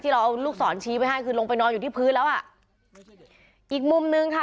เราเอาลูกศรชี้ไปให้คือลงไปนอนอยู่ที่พื้นแล้วอ่ะอีกมุมนึงค่ะ